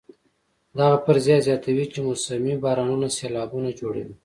دغه فرضیه زیاتوي چې موسمي بارانونه سېلابونه جوړوي.